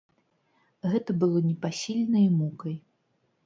Гэта было непасільнай мукай.